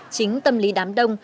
chính tâm lý đám đông